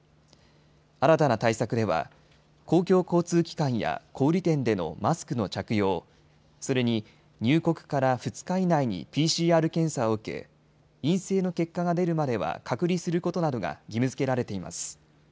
新たな対策では公共交通機関や小売店でのマスクの着用、それに、入国から２日以内にＰＣＲ検査を受け陰性の結果が出るまでは隔離することなどが義務づけられています。